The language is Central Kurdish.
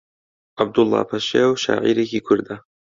عەبدوڵڵا پەشێو شاعیرێکی کوردە